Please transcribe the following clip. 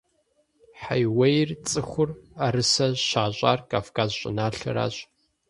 Хьэиуейр цӀыхум Ӏэрысэ щащӀар Кавказ щӀыналъэращ.